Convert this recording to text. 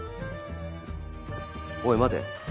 おい待て。